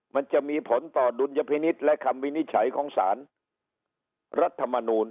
มันจะมีผลต่อดุลยพินิษฐ์และคำวินิจฉัยของสารรัฐมนูล